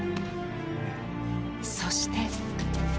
そして。